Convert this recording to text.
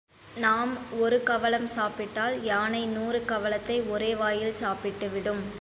நாம் ஒரு கவளம் சாப்பிட்டால் யானை நூறு கவளத்தை ஒரே வாயில் சாப்பிட்டுவிடும்.